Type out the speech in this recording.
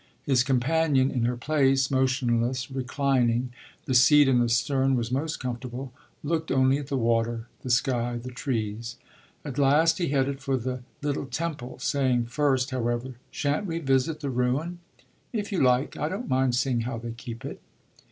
His companion, in her place, motionless, reclining the seat in the stern was most comfortable looked only at the water, the sky, the trees. At last he headed for the little temple, saying first, however, "Shan't we visit the ruin?" "If you like. I don't mind seeing how they keep it."